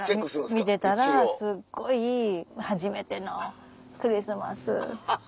見てたらすっごい「初めてのクリスマス」って。